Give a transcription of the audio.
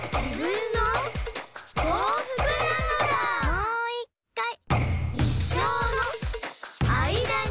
もういっかい！